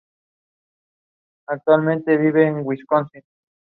El único rasgo distintivo es la penetración en los búnker costeros.